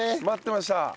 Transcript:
待ってました。